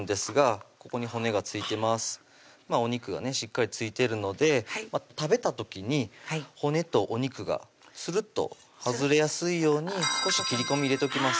しっかり付いてるので食べた時に骨とお肉がするっと外れやすいように少し切り込み入れときます